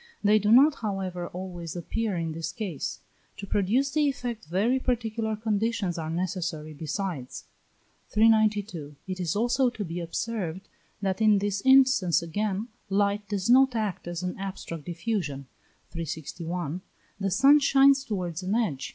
They do not, however, always appear in this case; to produce the effect very particular conditions are necessary besides. 392. It is also to be observed that in this instance again light does not act as an abstract diffusion (361), the sun shines towards an edge.